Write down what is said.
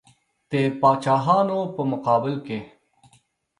د پاچاهانو په مقابل کې.